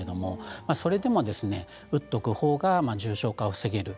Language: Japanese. それでも打っておくほうが重症化を防げる。